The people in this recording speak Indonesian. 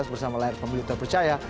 bersama layar pemilih terpercaya